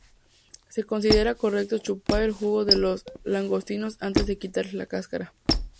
Se considera correcto chupar el jugo de los langostinos antes de quitarles la cáscara.